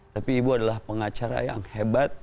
tapi ibu adalah pengacara yang hebat